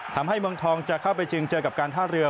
เมืองทองจะเข้าไปชิงเจอกับการท่าเรือ